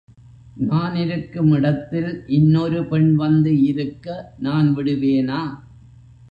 நான் இருக்கும் இடத்தில் இன் னொரு பெண் வந்து இருக்க நான் விடுவேனா?